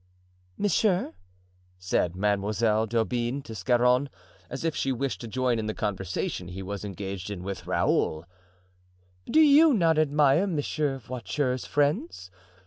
"Monsieur," said Mademoiselle d'Aubigne to Scarron, as if she wished to join in the conversation he was engaged in with Raoul, "do you not admire Monsieur Voiture's friends?